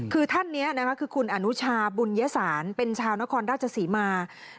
คือท่านนี้นะคะคือคุณอนุชาบุญยสารเป็นชาวนครราชศรีมา